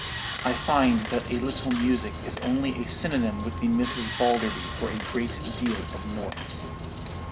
I find that a little music is only a synonym with the Misses Balderby for a great deal of noise.